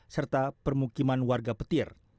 serta permukiman warga petir